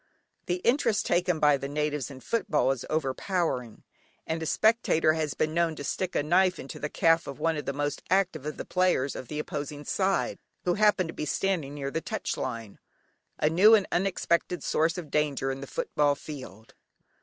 The interest taken by the natives in football is overpowering, and a spectator has been known to stick a knife into the calf of one of the most active of the players on the opposing side, who happened to be standing near the "touch line." A new and unexpected source of danger in the football field.